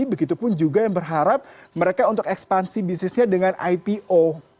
begitupun juga yang berharap mereka untuk ekspansi bisnisnya dengan ipo